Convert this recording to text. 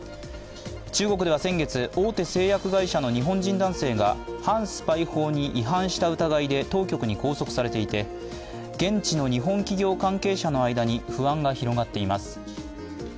中国では先月、大手製薬会社の日本人男性が反スパイ法に違反した疑いで当局に拘束されていて、現地の日本企業関係者の間に不安が広がっています。